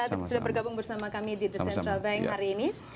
sudah bergabung bersama kami di the central tank hari ini